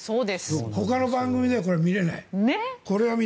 ほかの番組では見れない。